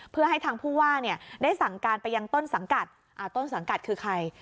เพื่อให้ทางผู้ว่าได้สั่งการไปยังต้นสังกัดต้นสังกัดคือใคร